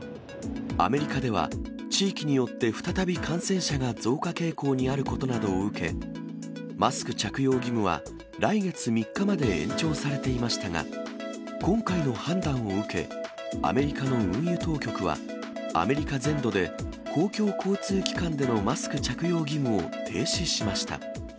アメリカでは、地域によってふたたび感染者が増加傾向にあることなどを受け、マスク着用義務は来月３日まで延長されていましたが、今回の判断を受け、アメリカの運輸当局は、アメリカ全土で公共交通機関でのマスク着用義務を停止しました。